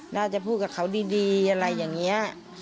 น่าจะพูดกับเขาดีอะไรอย่างนี้